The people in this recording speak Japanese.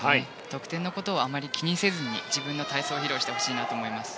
得点のことはあまり気にせずに自分の体操を披露してほしいと思います。